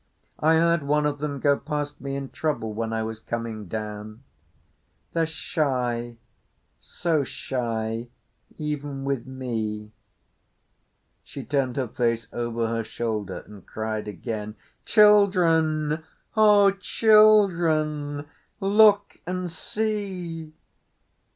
"I heard one of them go past me in trouble when I was coming down. They're shy—so shy even with me." She turned her face over her shoulder and cried again: "Children! Oh, children! Look and see!"